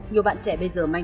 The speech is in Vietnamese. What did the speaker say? nhiều bạn trẻ bây giờ manh